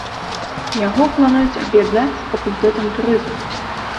Яго плануюць аб'яднаць з факультэтам турызму.